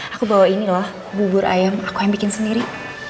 aku bawa inilah bubur ayam aku yang bikin sendiri